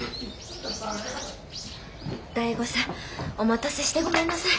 醍醐さんお待たせしてごめんなさい。